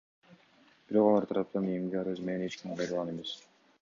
Бирок алар тараптан ИИМге арыз менен эч ким кайрылган эмес.